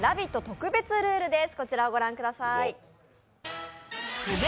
特別ルールです。